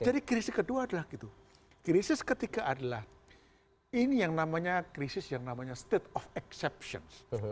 jadi krisis kedua adalah gitu krisis ketiga adalah ini yang namanya krisis yang namanya state of exception